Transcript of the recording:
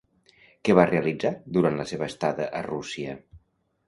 Què va realitzar durant la seva estada a Rússia?